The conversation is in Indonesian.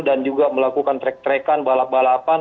dan juga melakukan trek trekan balap balapan